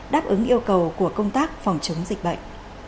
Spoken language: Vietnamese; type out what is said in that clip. đáp ứng yêu cầu của công tác phòng chống dịch bệnh